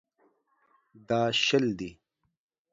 دا شل دي.